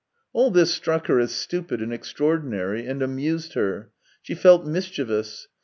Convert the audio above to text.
All this struck her as stupid and extraordinary, and amused her. She felt mischievous.